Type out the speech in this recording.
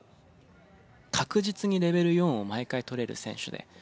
確実にレベル４を毎回取れる選手で。